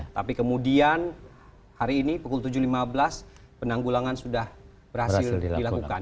tapi kemudian hari ini pukul tujuh lima belas penanggulangan sudah berhasil dilakukan